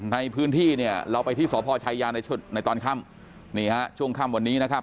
ในพื้นที่เนี่ยเราไปที่สพชายาในตอนค่ำนี่ฮะช่วงค่ำวันนี้นะครับ